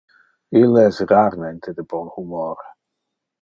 Ille es rarmente de bon humor.